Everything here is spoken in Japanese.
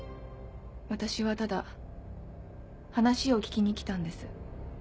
私はただ話を聞きに来たんです。